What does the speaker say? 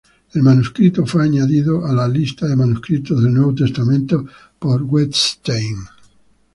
El manuscrito fue añadido a la lista de manuscritos del Nuevo Testamento por Wettstein.